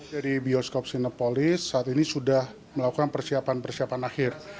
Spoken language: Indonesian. jadi bioskop sinopolis saat ini sudah melakukan persiapan persiapan akhir